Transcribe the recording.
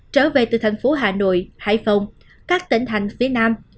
trở về từ thành phố hà nội hải phòng các tỉnh thành phía nam